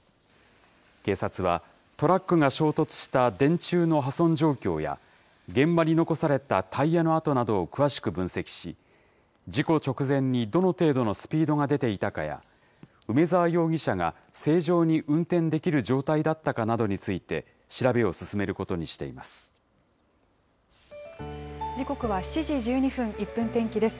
警察はトラックが衝突した電柱の破損状況や、現場に残されたタイヤの跡などを詳しく分析し、事故直前にどの程度のスピードが出ていたかや、梅澤容疑者が正常に運転できる状態だったかなどについて、調べを時刻は７時１２分、１分天気です。